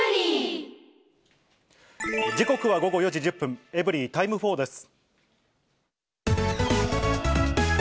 時刻は午後４時１０分、エブリィタイム４です。